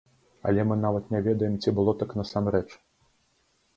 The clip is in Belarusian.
Але мы нават не ведаем, ці было так насамрэч.